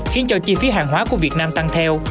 khiến cho chi phí hàng hóa của việt nam tăng theo